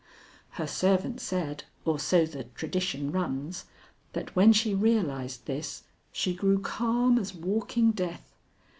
"Her servant said, or so the tradition runs, that when she realized this she grew calm as walking death.